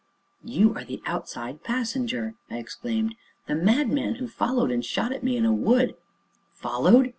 "You are the Outside Passenger!" I exclaimed, "the madman who followed and shot at me in a wood " "Followed?